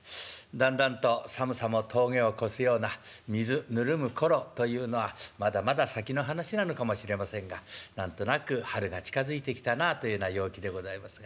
だんだんと寒さも峠を越すような水ぬるむ頃というのはまだまだ先の話なのかもしれませんが何となく春が近づいてきたなというような陽気でございますが。